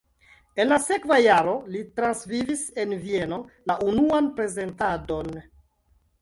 En la sekva jaro li transvivis en Vieno la unuan prezentadon.